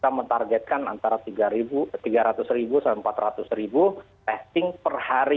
kita mentargetkan antara tiga ratus ribu sampai empat ratus ribu testing per hari